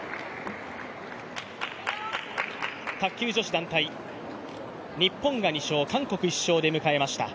卓球女子団体、日本が２勝、韓国が１勝で迎えました。